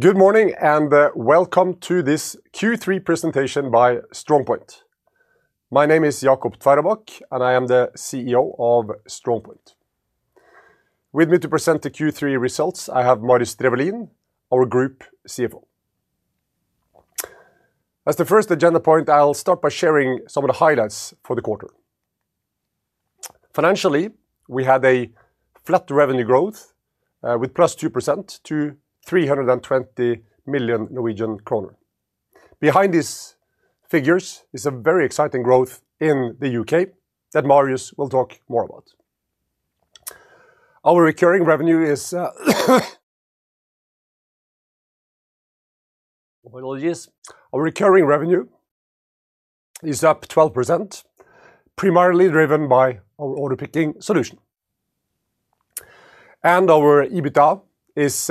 Good morning and welcome to this Q3 presentation by StrongPoint. My name is Jacob Tveraabak, and I am the CEO of StrongPoint. With me to present the Q3 results, I have Marius Drefvelin, our Group CFO. As the first agenda point, I'll start by sharing some of the highlights for the quarter. Financially, we had a flat revenue growth with +2% to 320 million Norwegian kroner. Behind these figures is a very exciting growth in the U.K. that Marius will talk more about. Our recurring revenue is up 12%, primarily driven by our order picking solution. Our EBITDA is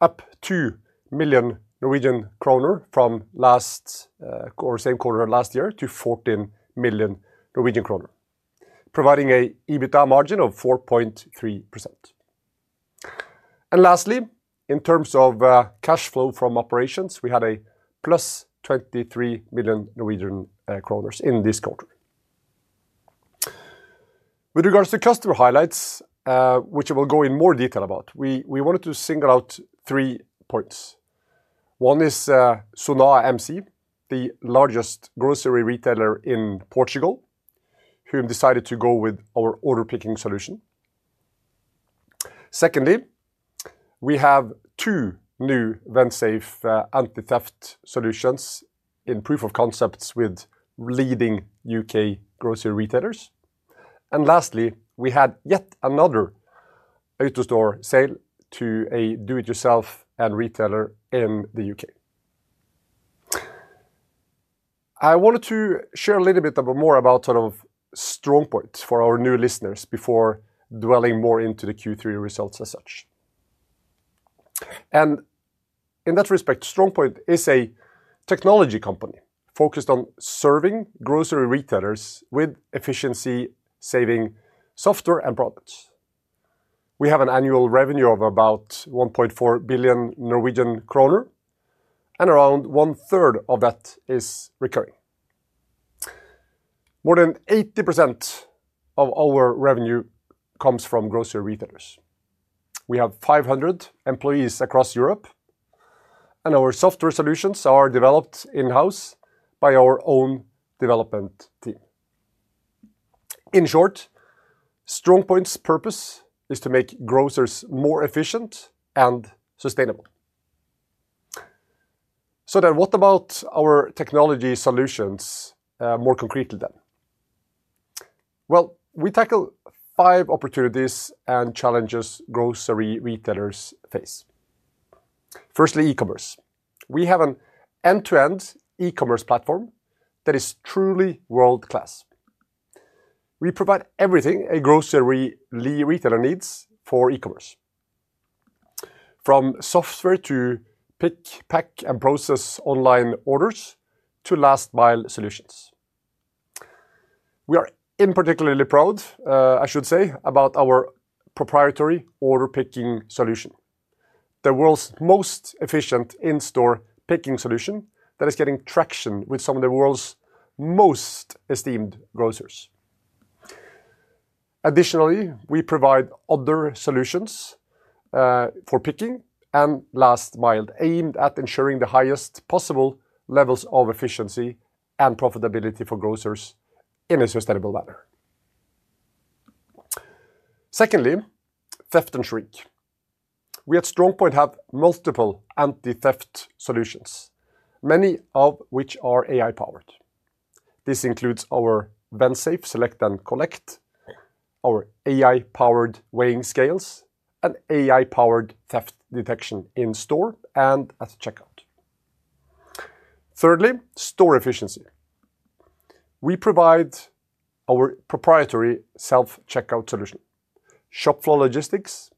up 2 million Norwegian kroner from last quarter, same quarter last year, to 14 million Norwegian kroner, providing an EBITDA margin of 4.3%. Lastly, in terms of cash flow from operations, we had a +23 million Norwegian kroner in this quarter. With regards to customer highlights, which I will go in more detail about, we wanted to single out three points. One is Sonae MC, the largest grocery retailer in Portugal, who decided to go with our order picking solution. Secondly, we have two new VusionGroup anti-theft solutions in proof of concepts with leading U.K. grocery retailers. Lastly, we had yet another out-of-store sale to a do-it-yourself retailer in the U.K. I wanted to share a little bit more about sort of StrongPoint for our new listeners before delving more into the Q3 results as such. In that respect, StrongPoint is a technology company focused on serving grocery retailers with efficiency-saving software and products. We have an annual revenue of about 1.4 billion Norwegian kroner, and around one third of that is recurring. More than 80% of our revenue comes from grocery retailers. We have 500 employees across Europe, and our software solutions are developed in-house by our own development team. In short, StrongPoint's purpose is to make grocers more efficient and sustainable. What about our technology solutions more concretely then? We tackle five opportunities and challenges grocery retailers face. Firstly, e-commerce. We have an end-to-end e-commerce platform that is truly world-class. We provide everything a grocery retailer needs for e-commerce, from software to pick, pack, and process online orders to last-mile solutions. We are particularly proud, I should say, about our proprietary order picking solution, the world's most efficient in-store picking solution that is getting traction with some of the world's most esteemed grocers. Additionally, we provide other solutions for picking and last-mile, aimed at ensuring the highest possible levels of efficiency and profitability for grocers in a sustainable manner. Secondly, theft and shrink. We at StrongPoint have multiple anti-theft solutions, many of which are AI-powered. This includes our Vensafe select and collect, our AI-powered scales, and AI-powered theft detection in-store and at checkout. Thirdly, store efficiency. We provide our proprietary self-checkout units, ShopFlow Logistics,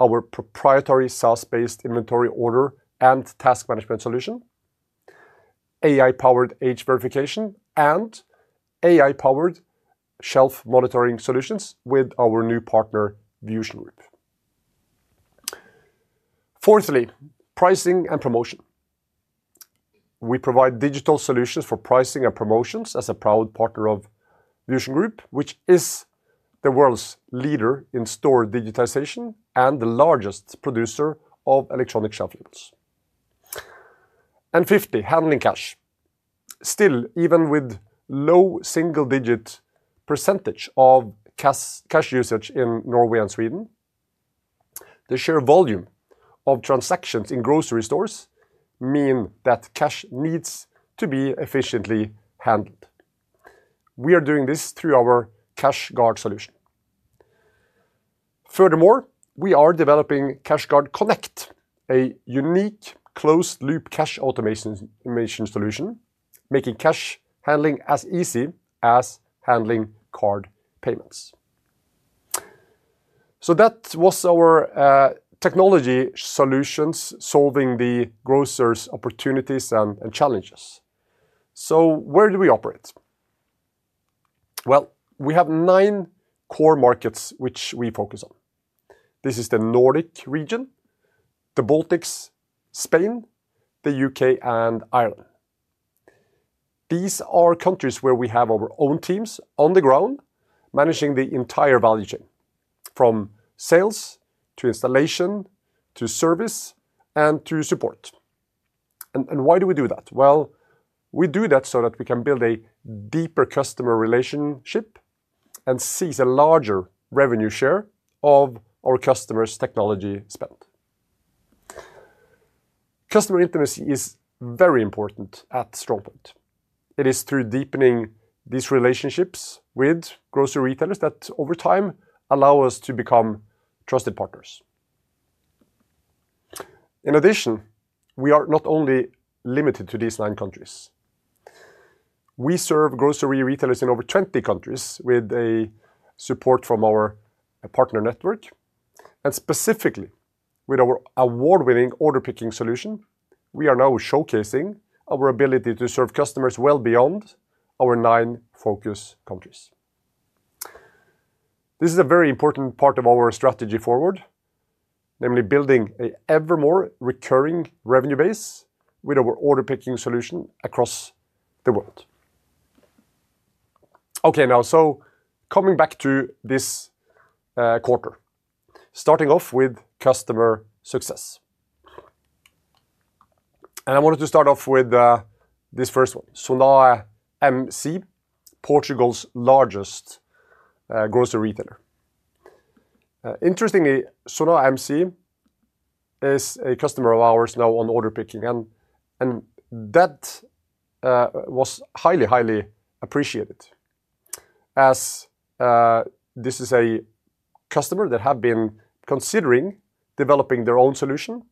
our proprietary SaaS-based inventory order and task management solution, AI-powered age verification, and AI-powered shelf monitoring solutions with our new partner, VusionGroup. Fourthly, pricing and promotion. We provide digital solutions for pricing and promotions as a proud partner of VusionGroup, which is the world's leader in store digitization and the largest producer of electronic shelf labels. Fifthly, handling cash. Still, even with a low single-digit percentage of cash usage in Norway and Sweden, the sheer volume of transactions in grocery stores means that cash needs to be efficiently handled. We are doing this through our CashGuard solution. Furthermore, we are developing CashGuard Connect, a unique closed-loop cash automation solution, making cash handling as easy as handling card payments. That was our technology solutions solving the grocers' opportunities and challenges. Where do we operate? We have nine core markets which we focus on. This is the Nordic region, the Baltics, Spain, the U.K., and Ireland. These are countries where we have our own teams on the ground managing the entire value chain, from sales to installation to service and to support. We do that so that we can build a deeper customer relationship and seize a larger revenue share of our customers' technology spend. Customer intimacy is very important at StrongPoint. It is through deepening these relationships with grocery retailers that, over time, allow us to become trusted partners. In addition, we are not only limited to these nine countries. We serve grocery retailers in over 20 countries with support from our partner network, and specifically with our award-winning order picking solution, we are now showcasing our ability to serve customers well beyond our nine focus countries. This is a very important part of our strategy forward, namely building an ever more recurring revenue base with our order picking solution across the world. Now, coming back to this quarter, starting off with customer success. I wanted to start off with this first one, Sonae MC, Portugal's largest grocery retailer. Interestingly, Sonae MC is a customer of ours now on order picking, and that was highly, highly appreciated as this is a customer that had been considering developing their own solution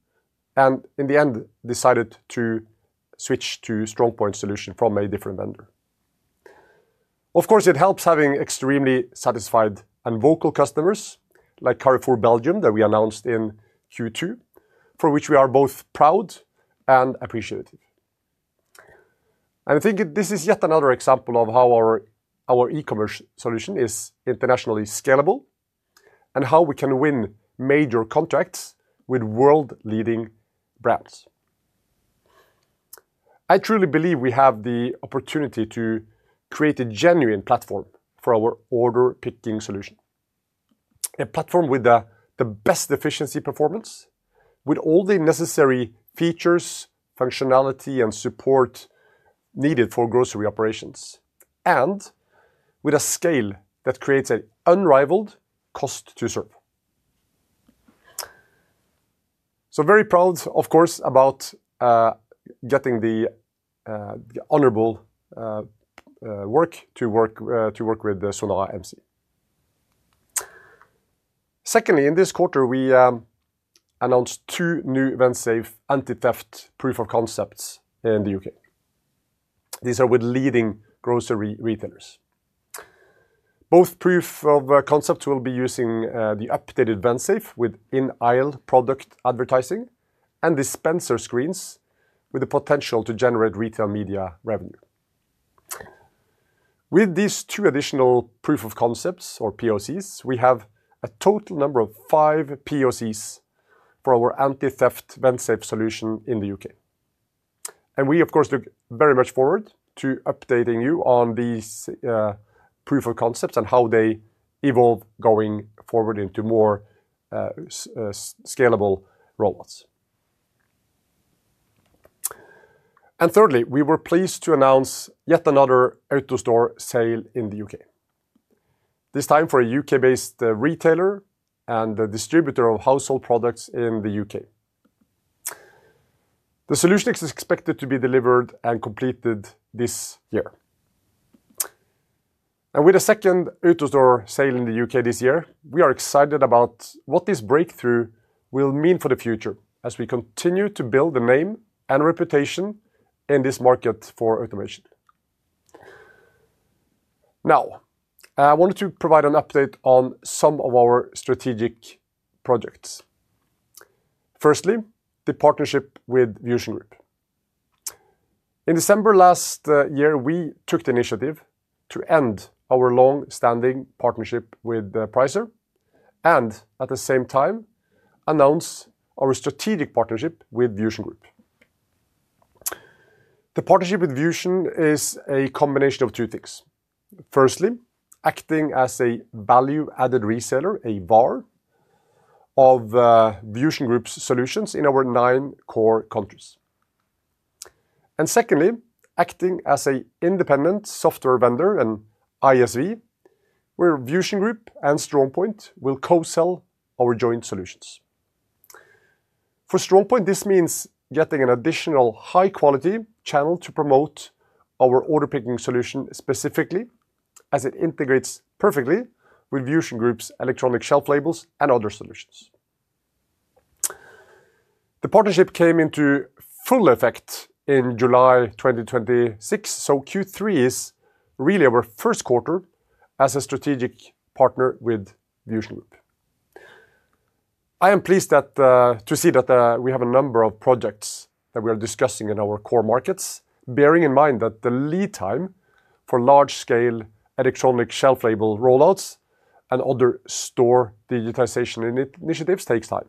and, in the end, decided to switch to a StrongPoint solution from a different vendor. Of course, it helps having extremely satisfied and vocal customers like Carrefour Belgium that we announced in Q2, for which we are both proud and appreciative. I think this is yet another example of how our e-commerce solution is internationally scalable and how we can win major contracts with world-leading brands. I truly believe we have the opportunity to create a genuine platform for our order picking solution, a platform with the best efficiency performance, with all the necessary features, functionality, and support needed for grocery operations, and with a scale that creates an unrivaled cost to serve. I am very proud, of course, about getting the honorable work to work with Sonae MC. Secondly, in this quarter, we announced two new Vensafe anti-theft proof of concepts in the U.K. These are with leading grocery retailers. Both proof of concepts will be using the updated Vensafe with in-aisle product advertising and dispenser screens with the potential to generate retail media revenue. With these two additional proof of concepts, or POCs, we have a total number of five POCs for our anti-theft Vensafe solution in the U.K. We look very much forward to updating you on these proof of concepts and how they evolve going forward into more scalable rollouts. Thirdly, we were pleased to announce yet another out-of-store sale in the U.K., this time for a U.K.-based retailer and distributor of household products in the U.K. The solution is expected to be delivered and completed this year. With a second out-of-store sale in the U.K. this year, we are excited about what this breakthrough will mean for the future as we continue to build a name and reputation in this market for automation. Now, I wanted to provide an update on some of our strategic projects. Firstly, the partnership with VusionGroup. In December last year, we took the initiative to end our long-standing partnership with Pricer and, at the same time, announce our strategic partnership with VusionGroup. The partnership with Vusion is a combination of two things. Firstly, acting as a value-added reseller, a VAR, of VusionGroup's solutions in our nine core countries. Secondly, acting as an independent software vendor, an ISV, where VusionGroup and StrongPoint will co-sell our joint solutions. For StrongPoint, this means getting an additional high-quality channel to promote our order picking solution specifically, as it integrates perfectly with VusionGroup's electronic shelf labels and other solutions. The partnership came into full effect in July 2023, so Q3 is really our first quarter as a strategic partner with VusionGroup. I am pleased to see that we have a number of projects that we are discussing in our core markets, bearing in mind that the lead time for large-scale electronic shelf label rollouts and other store digitization initiatives takes time.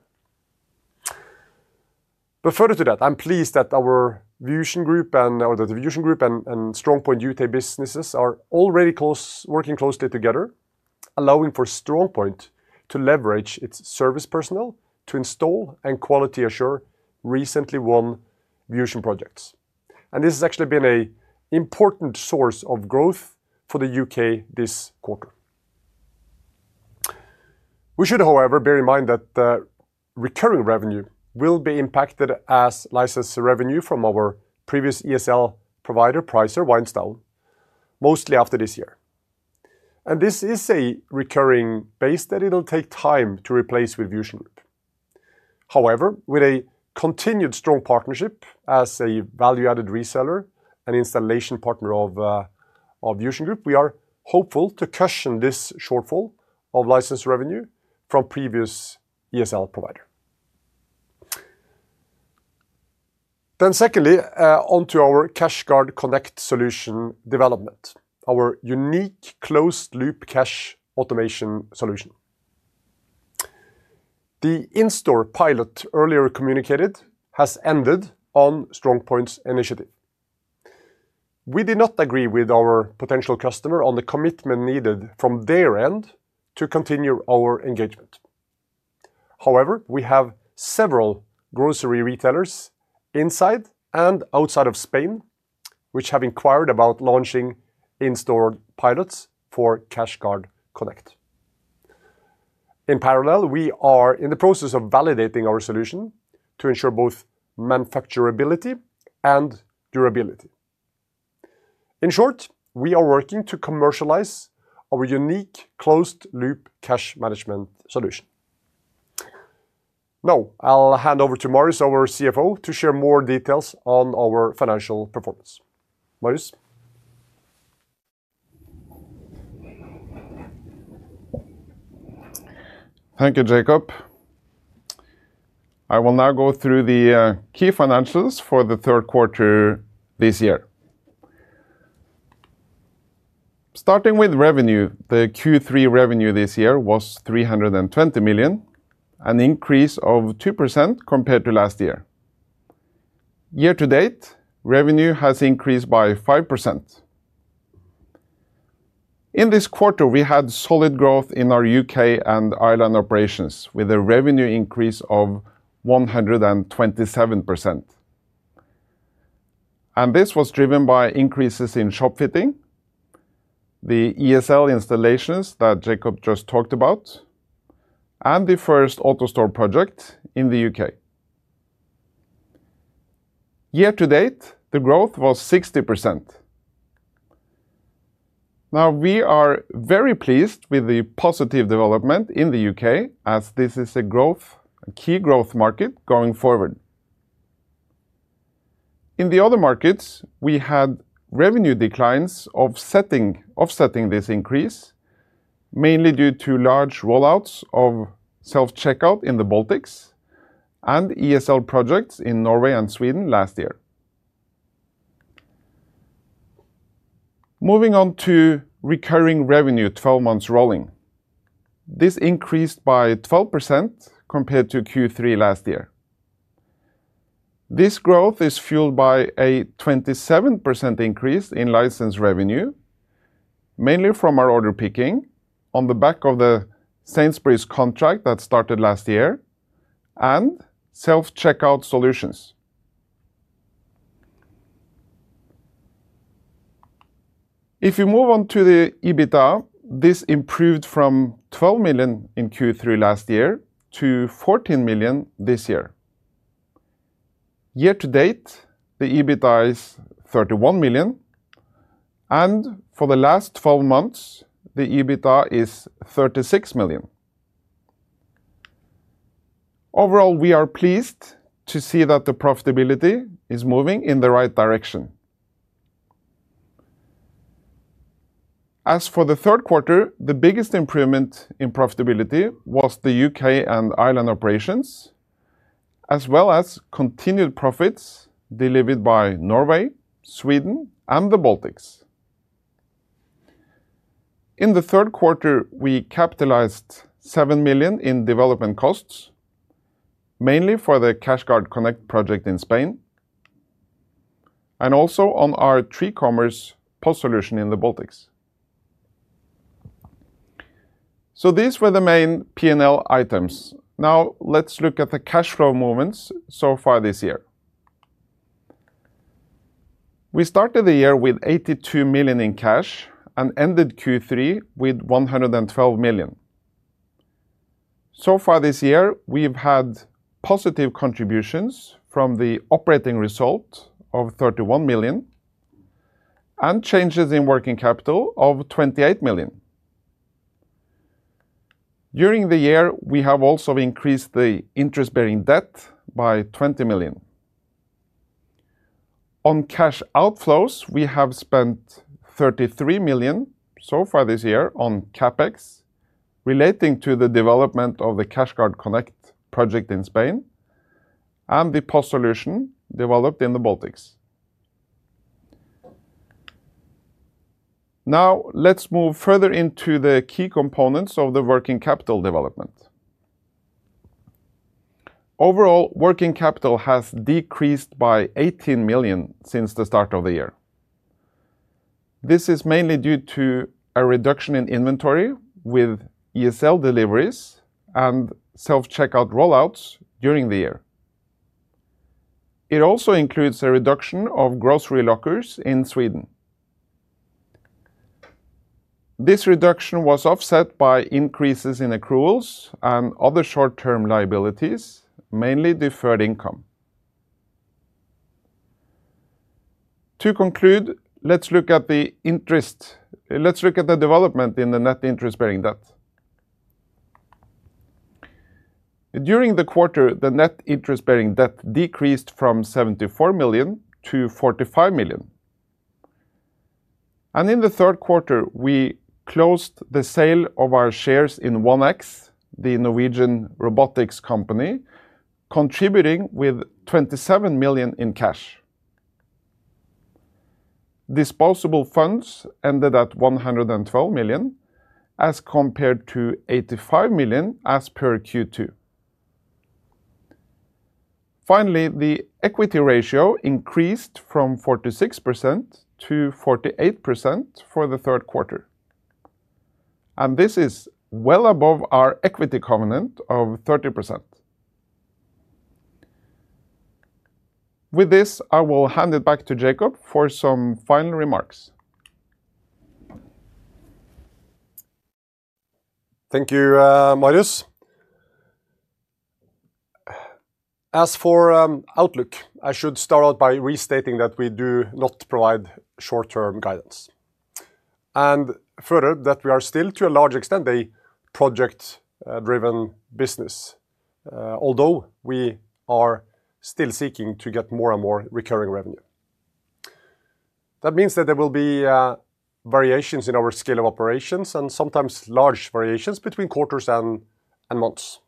Further to that, I'm pleased that our VusionGroup and StrongPoint U.K. businesses are already working closely together, allowing for StrongPoint to leverage its service personnel to install and quality assure recently won Vusion projects. This has actually been an important source of growth for the U.K. this quarter. We should, however, bear in mind that recurring revenue will be impacted as license revenue from our previous ESL provider, Pricer, winds down mostly after this year. This is a recurring base that it'll take time to replace with VusionGroup. However, with a continued strong partnership as a value-added reseller and installation partner of VusionGroup, we are hopeful to cushion this shortfall of license revenue from previous ESL provider. Secondly, onto our CashGuard Connect solution development, our unique closed-loop cash automation solution. The in-store pilot, earlier communicated, has ended on StrongPoint's initiative. We did not agree with our potential customer on the commitment needed from their end to continue our engagement. However, we have several grocery retailers inside and outside of Spain which have inquired about launching in-store pilots for CashGuard Connect. In parallel, we are in the process of validating our solution to ensure both manufacturability and durability. In short, we are working to commercialize our unique closed-loop cash management solution. Now, I'll hand over to Marius, our CFO, to share more details on our financial performance. Marius. Thank you, Jacob. I will now go through the key financials for the third quarter this year. Starting with revenue, the Q3 revenue this year was 320 million, an increase of 2% compared to last year. Year to date, revenue has increased by 5%. In this quarter, we had solid growth in our U.K. and Ireland operations with a revenue increase of 127%. This was driven by increases in shop fitting, the electronic shelf labels installations that Jacob just talked about, and the first out-of-store project in the U.K. Year to date, the growth was 60%. We are very pleased with the positive development in the U.K. as this is a key growth market going forward. In the other markets, we had revenue declines offsetting this increase, mainly due to large rollouts of self-checkout units in the Baltics and electronic shelf labels projects in Norway and Sweden last year. Moving on to recurring revenue, 12 months rolling, this increased by 12% compared to Q3 last year. This growth is fueled by a 27% increase in license revenue, mainly from our order picking solution on the back of the Sainsbury's contract that started last year and self-checkout solutions. If you move on to the EBITDA, this improved from 12 million in Q3 last year to 14 million this year. Year to date, the EBITDA is 31 million, and for the last 12 months, the EBITDA is 36 million. Overall, we are pleased to see that the profitability is moving in the right direction. As for the third quarter, the biggest improvement in profitability was the U.K. and Ireland operations, as well as continued profits delivered by Norway, Sweden, and the Baltics. In the third quarter, we capitalized 7 million in development costs, mainly for the CashGuard Connect project in Spain and also on our TreeCommerce POS solution in the Baltics. These were the main P&L items. Now, let's look at the cash flow movements so far this year. We started the year with 82 million in cash and ended Q3 with 112 million. So far this year, we've had positive contributions from the operating result of 31 million and changes in working capital of 28 million. During the year, we have also increased the interest-bearing debt by 20 million. On cash outflows, we have spent 33 million so far this year on CapEx relating to the development of the CashGuard Connect project in Spain and the POS solution developed in the Baltics. Now, let's move further into the key components of the working capital development. Overall, working capital has decreased by 18 million since the start of the year. This is mainly due to a reduction in inventory with electronic shelf label deliveries and self-checkout rollouts during the year. It also includes a reduction of grocery lockers in Sweden. This reduction was offset by increases in accruals and other short-term liabilities, mainly deferred income. To conclude, let's look at the interest, let's look at the development in the net interest-bearing debt. During the quarter, the net interest-bearing debt decreased from 74 million to 45 million. In the third quarter, we closed the sale of our shares in 1X, the Norwegian robotics company, contributing with 27 million in cash. Disposable funds ended at 112 million as compared to 85 million as per Q2. Finally, the equity ratio increased from 46% to 48% for the third quarter. This is well above our equity covenant of 30%. With this, I will hand it back to Jacob for some final remarks. Thank you, Marius. As for outlook, I should start out by restating that we do not provide short-term guidance and further that we are still, to a large extent, a project-driven business, although we are still seeking to get more and more recurring revenue. That means that there will be variations in our scale of operations and sometimes large variations between quarters and months.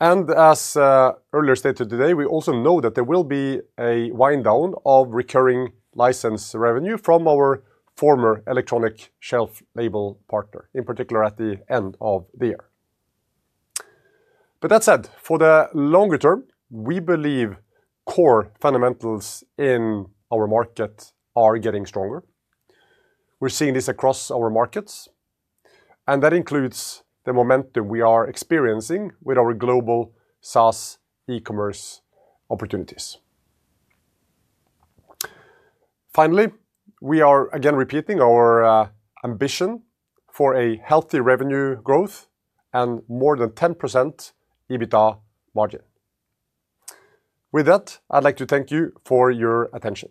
As earlier stated today, we also know that there will be a wind-down of recurring license revenue from our former electronic shelf label partner, in particular at the end of the year. That said, for the longer term, we believe core fundamentals in our market are getting stronger. We're seeing this across our markets, and that includes the momentum we are experiencing with our global SaaS e-commerce opportunities. Finally, we are again repeating our ambition for a healthy revenue growth and more than 10% EBITDA margin. With that, I'd like to thank you for your attention.